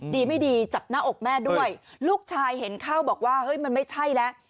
ดีไม่ดีจับหน้าอกแม่ด้วยลูกชายเห็นเข้าบอกว่าเฮ้ยมันไม่ใช่แล้ว